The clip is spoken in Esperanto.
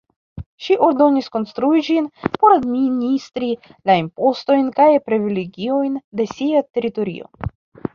Ŝi ordonis konstrui ĝin por administri la impostojn kaj privilegiojn de sia teritorio.